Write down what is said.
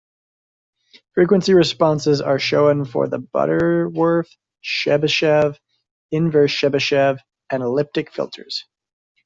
Frequency responses are shown for the Butterworth, Chebyshev, inverse Chebyshev, and elliptic filters.